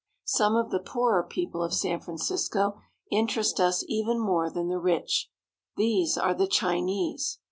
Some of the poorer people of San Francisco interest us even more than the rich. These are the Chinese.